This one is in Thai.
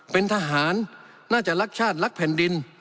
เป็นทหารน่าจะรักชาติรักแผ่นดิน